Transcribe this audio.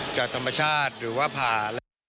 จากตัมปชาติหรือว่าผ่า